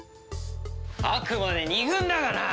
あくまで二軍だがな！